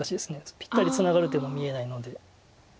ぴったりツナがる手が見えないので。